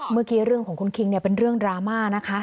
เรื่องของคุณคิงเป็นเรื่องดราม่านะคะ